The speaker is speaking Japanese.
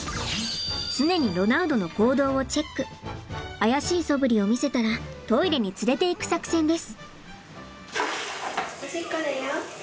怪しいそぶりを見せたらトイレに連れていく作戦です。